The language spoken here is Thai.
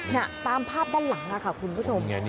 น่ะตามภาพด้านหลังค่ะคุณผู้ชม